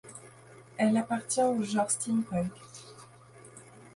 Elle appartient au genre steampunk.